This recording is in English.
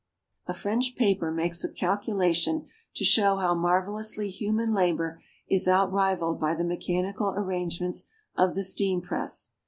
A French paper makes a calculation to show how marvelously human labor is outrivaled by the mechanical arrangements of the steam press.